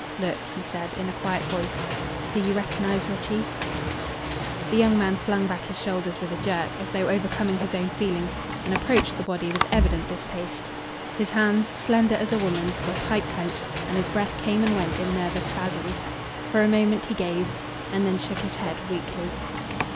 "Look," he said, in a quiet voice, "do you recognise your chief?" The young man flung back his shoulders with a jerk, as though overcoming his own feelings, and approached the body with evident distaste. His hands, slender as a woman's, were tight clenched, and his breath came and went in nervous spasms. For a moment he gazed, and then shook his head weakly.